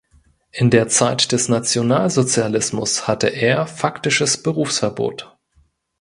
In der Zeit des Nationalsozialismus hatte er faktisches Berufsverbot.